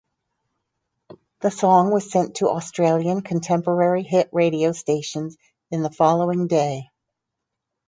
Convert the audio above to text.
The song was sent to Australian contemporary hit radio stations in the following day.